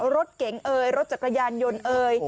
รถเก๋งเอ่ยรถจักรยานยนต์เอ่ย